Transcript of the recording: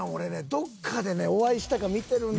どっかでねお会いしたか見てるんですよ。